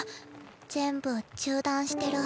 全部中断してる。